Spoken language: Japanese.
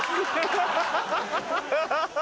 ハハハハ！